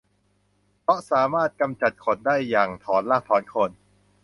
เพราะสามารถกำจัดขนได้อย่างถอนรากถอนโคน